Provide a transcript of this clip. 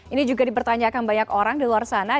ini juga dipertanyakan banyak orang di luar sana